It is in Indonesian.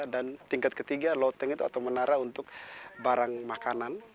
dan tingkat ketiga loteng itu atau menara untuk barang makanan